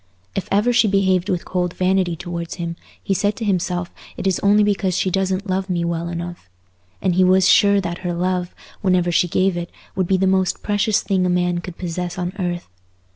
If ever she behaved with cold vanity towards him, he said to himself it is only because she doesn't love me well enough; and he was sure that her love, whenever she gave it, would be the most precious thing a man could possess on earth.